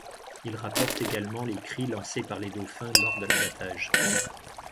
Ils rapportent également les cris lancés par les dauphins lors de l'abattage.